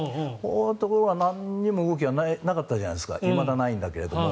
ところがなんにも動きがなかったじゃないですかいまだないんだけども。